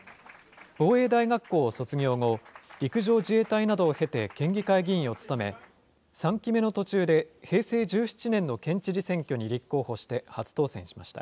防衛大学校を卒業後、陸上自衛隊などを経て、県議会議員を務め、３期目の途中で平成１７年の県知事選挙に立候補して初当選しました。